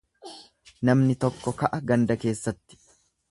Namni tokko ka'a ganda keessatti.